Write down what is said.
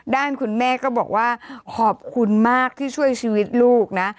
ด้านคุณแม่ก็บอกว่าขอบคุณมากที่ช่วยชีวิตลูกนะ